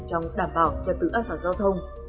trong đảm bảo cho tự an toàn giao thông